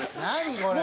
これ。